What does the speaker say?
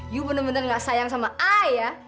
yu bener bener nggak sayang sama ay ya